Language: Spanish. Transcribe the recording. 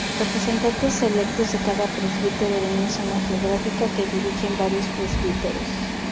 Representantes electos de cada presbítero de una zona geográfica, que dirigen varios presbíteros.